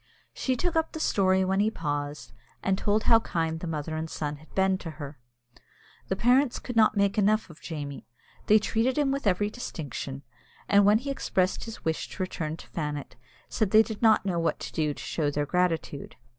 She took up the story when he paused, and told how kind the mother and son had been to her. The parents could not make enough of Jamie. They treated him with every distinction, and when he expressed his wish to return to Fannet, said they did not know what to do to show their gratitude.